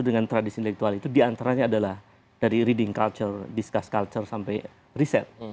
dengan tradisi intelektual itu diantaranya adalah dari reading culture discuss culture sampai riset